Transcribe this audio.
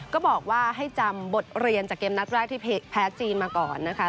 ก็บอกว่าให้จำบทเรียนจากเกมนัดแรกที่แพ้จีนมาก่อนนะคะ